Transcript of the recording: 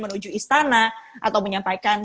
menuju istana atau menyampaikan